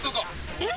えっ？